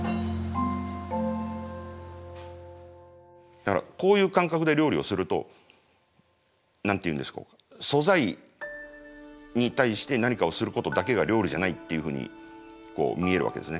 だからこういう感覚で料理をすると何て言うんでしょうか素材に対して何かをすることだけが料理じゃないっていうふうに見えるわけですね。